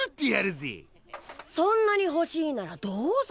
そんなにほしいならどうぞ。